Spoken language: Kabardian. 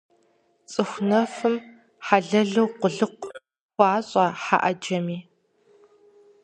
Цӏыху нэфхэм хьэлэлу къулыкъу хуащӏэ хьэ ӏэджэми.